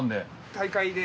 大会で。